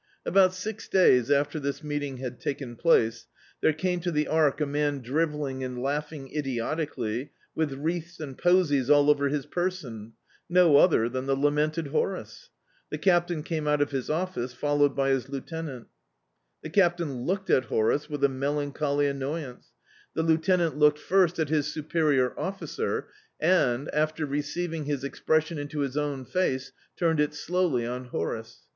About six days after this meeting had taken place, there came to the Ark a man drivelling and laud ing idiotically, with wreaths and posies all over his person — no other than the lamented Horace. The Captain came out of his office, followed by his Lieu tenanL The Captain looked at Horace with a mel ancholy annoyance; the Lieutenant looked first at D,i.,.db, Google The Ark his superior officer and, after receiving his ezpres sicm into his own face, turned it slowly tm Horace.